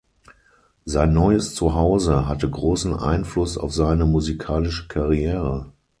Sein neues Zuhause hatte großen Einfluss auf seine musikalische Karriere.